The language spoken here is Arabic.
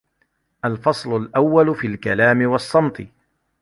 الْفَصْلُ الْأَوَّلُ فِي الْكَلَامِ وَالصَّمْتِ